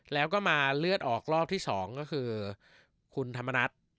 แล้วก็มาเลือดออกรอบที่๒ก็คือคุณธรรมนัฐ